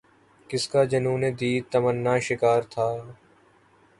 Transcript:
کس کا جنون دید تمنا شکار تھا